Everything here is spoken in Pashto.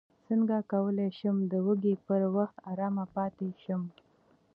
څنګه کولی شم د وږي پر وخت ارام پاتې شم